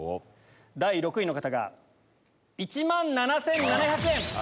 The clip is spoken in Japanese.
第６位の方が１万７７００円。